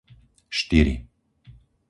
štyri